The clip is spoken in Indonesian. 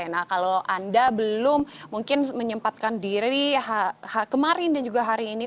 nah kalau anda belum mungkin menyempatkan diri kemarin dan juga hari ini